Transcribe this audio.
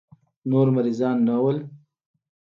نور مريضان نه وو.